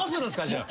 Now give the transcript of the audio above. じゃあ。